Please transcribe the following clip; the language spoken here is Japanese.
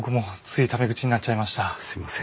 すいません。